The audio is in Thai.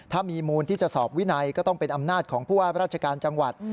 ถ้ามีมูลที่จะสอบวินัยก็ต้องเป็นอำนาจของผู้ว่าราชการจังหวัด